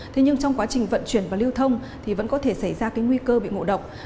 thế nhưng trong quá trình vận chuyển và lưu thông thì vẫn có thể xảy ra cái nguy cơ bị ngộ độc